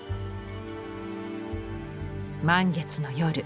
満月の夜。